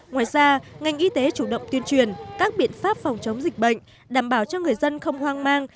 ngoài ra ngành y tế chủ động tuyên truyền các biện pháp phòng chống dịch bệnh đảm bảo cho người dân không hoang mang